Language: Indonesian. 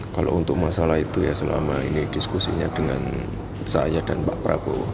kalau untuk masalah itu ya selama ini diskusinya dengan saya dan pak prabowo